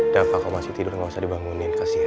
dapah kau masih tidur gak usah dibangunin kasihan